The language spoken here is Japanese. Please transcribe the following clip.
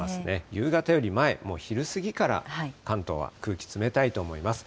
夕方より前、もう昼過ぎから関東は空気、冷たいと思います。